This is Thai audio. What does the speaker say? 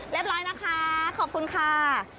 เรียบร้อยนะคะขอบคุณค่ะ